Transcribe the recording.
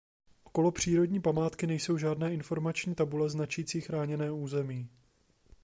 Okolo přírodní památky nejsou žádné informační tabule značící chráněné území.